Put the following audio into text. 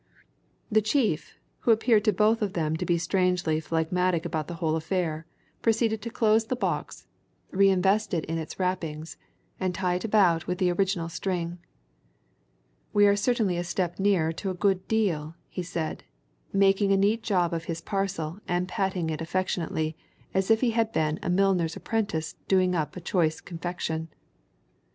The chief, who appeared to both of them to be strangely phlegmatic about the whole affair, proceeded to close the box, re invest it in its wrappings, and tie it about with the original string. "We are certainly a step nearer to a good deal," he said, making a neat job of his parcel and patting it affectionately as if he had been a milliner's apprentice doing up a choice confection.